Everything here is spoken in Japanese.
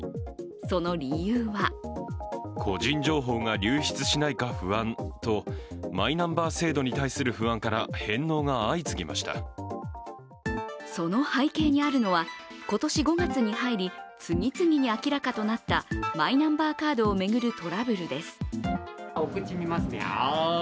その理由はその背景にあるのは今年５月に入り次々に明らかとなったマイナンバーカードを巡るトラブルです。